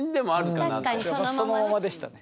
そのままでしたね